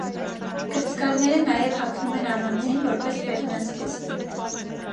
Կրծկալները նաև հագնում են առանձին՝ որպես վերնազգեստ։